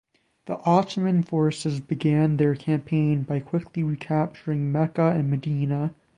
The Ottoman forces began their campaign by quickly recapturing Mecca and Medina.